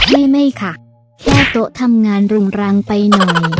ไม่ค่ะแก้โต๊ะทำงานรุงรังไปหน่อย